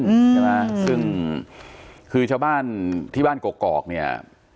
ใช่ไหมซึ่งคือชาวบ้านที่บ้านกอกเนี่ย